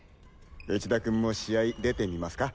内田君も試合出てみますか。